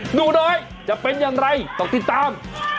หนูน้อยจะเป็นอย่างไรต้องติดตาม